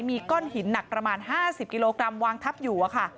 มีก้อนหินหนักประมาณ๕๐กิโลกรัมวางทับอยู่อะค่ะ